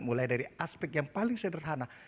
mulai dari aspek yang paling sederhana